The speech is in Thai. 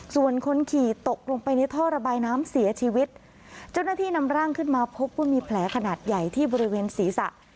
ส่วนคนขี่ตกลงไปในท่อระบายน้ำเสียชีวิตเจ้าหน้าที่นำร่างขึ้นมาพบว่ามีแผลขนาดใหญ่ที่บริเวณศีรษะ